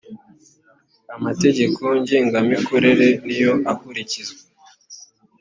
amategeko ngengamikorere niyo akurikizwa.